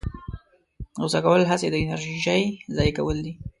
غوسه کول هسې د انرژۍ ضایع کول دي.